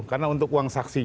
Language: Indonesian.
karena untuk uang saksinya